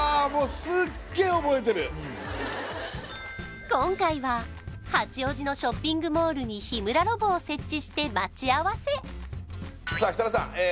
もうすっげえ覚えてる今回は八王子のショッピングモールに日村ロボを設置して待ち合わせさあ設楽さん